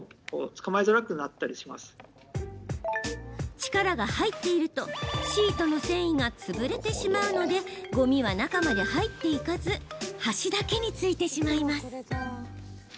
力が入っているとシートの繊維が潰れてしまうのでごみは中まで入っていかず端だけについてしまいます。